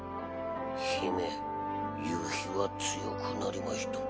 姫夕日は強くなりました。